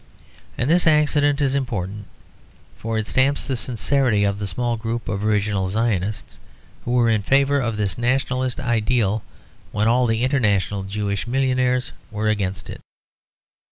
And this accident is important; for it stamps the sincerity of the small group of original Zionists, who were in favour of this nationalist ideal when all the international Jewish millionaires were against it.